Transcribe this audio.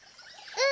うん。